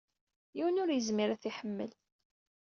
Yiwen ur yezmir ad t-iḥemmel.